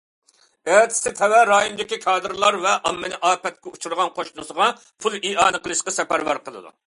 ئەتىسى تەۋە رايوندىكى كادىرلار ۋە ئاممىنى ئاپەتكە ئۇچرىغان قوشنىسىغا پۇل ئىئانە قىلىشقا سەپەرۋەر قىلىدۇ.